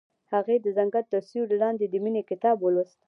هغې د ځنګل تر سیوري لاندې د مینې کتاب ولوست.